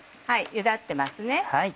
ゆだってますね。